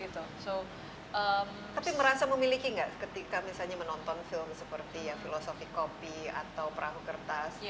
tapi merasa memiliki nggak ketika misalnya menonton film seperti filosofi kopi atau perahu kertas